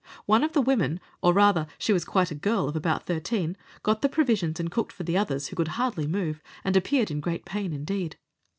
One of the women (or rather she was quite a girl of about thirteen) got the provisions and cooked for the others, who could hardly move, and appeared in great pain indeed.